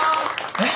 えっ？